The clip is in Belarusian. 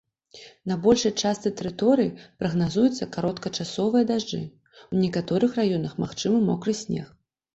На большай частцы тэрыторыі прагназуюцца кароткачасовыя дажджы, у некаторых раёнах магчымы мокры снег.